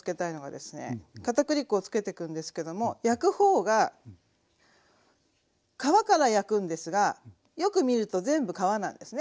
片栗粉をつけてくんですけども焼く方が皮から焼くんですがよく見ると全部皮なんですね。